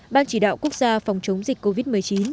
ban chỉ đạo quốc gia phòng chống dịch covid một mươi chín